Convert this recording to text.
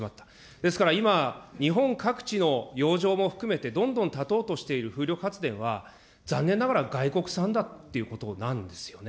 ですから今、日本各地の洋上も含めて、どんどん立とうとしている風力発電は、残念ながら外国産だということなんですよね。